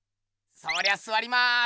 そりゃすわります。